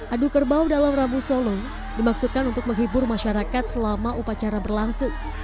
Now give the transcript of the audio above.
adu kerbau dalam rabu solo dimaksudkan untuk menghibur masyarakat selama upacara berlangsung